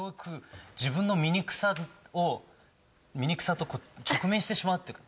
自分の醜さを醜さと直面してしまうっていうか。